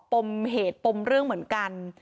ปมเหตุปมเรื่องเหมือนกัน